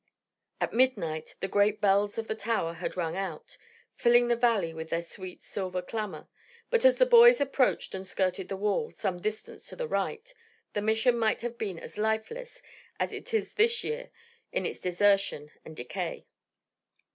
At midnight the great bells in the tower had rung out, filling the valley with their sweet silver clamour; but as the boys approached and skirted the wall, some distance to the right, the Mission might have been as lifeless as it is this year, in its desertion and decay.